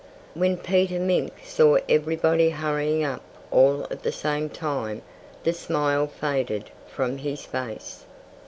When Peter Mink saw everybody hurrying up all at the same time the smile faded from his face.